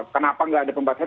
kenapa nggak ada pembatasan